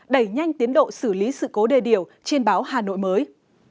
đẩy nhanh tiến độ xử lý sự cố đề điều trên báo hà nội mới